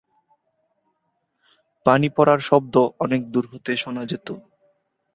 পানি পড়ার শব্দ অনেক দূর হতে শোনা যেত।